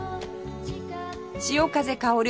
潮風薫る